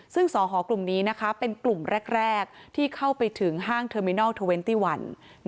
ซึ่งสอหกลุ่มนี้นะคะเป็นกลุ่มแรกที่เข้าไปถึงห้างเทอร์มินัล๒๑